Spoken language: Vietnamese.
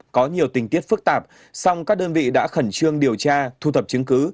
có nhiều tình tiết phức tạp song các đơn vị đã khẩn trương điều tra thu thập chứng cứ